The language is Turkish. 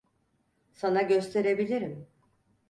Sana gösterebilirim.